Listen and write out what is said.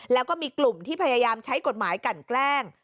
แล้วก็มีกลุ่มที่พยายามใช้กฎหมายกันแกล้ง